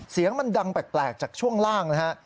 เสียงมันดังแปลกจากช่วงล่างนะฮะ